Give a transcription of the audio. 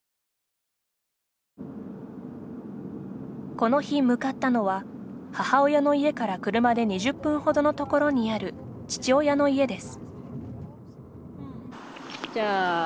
この日、向かったのは母親の家から車で２０分ほどのところにある父親の家です。